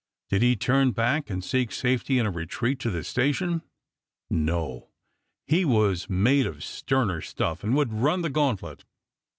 Did he turn back and seek safety in a retreat to the station? No; he was made of sterner stuff, and would run the gauntlet.